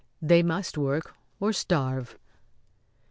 They must work or starve."